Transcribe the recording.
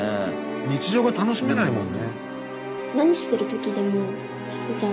日常が楽しめないもんね。